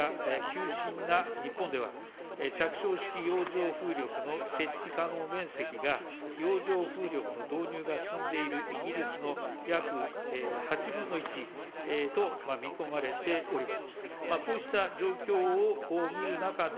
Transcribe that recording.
また海底地形がきゅうしんな日本では、着床式洋上浮揚の設置可能面積が洋上風力の導入が進んでいるイギリスの約８分の１と見込まれております。